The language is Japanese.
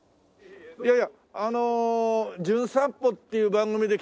いやいやあの『じゅん散歩』っていう番組で来たええ